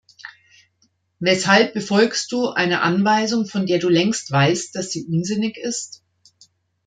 Weshalb befolgst du eine Anweisung, von der du längst weißt, dass sie unsinnig ist?